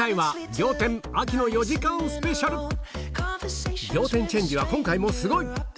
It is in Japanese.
仰天チェンジは今回もすごい。